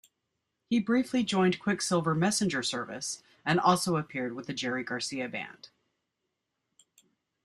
He briefly joined Quicksilver Messenger Service and also appeared with the Jerry Garcia Band.